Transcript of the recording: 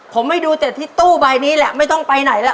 ผมไม่ดูแต่ที่ตู้ใบนี้แหละไม่ต้องไปไหนแล้ว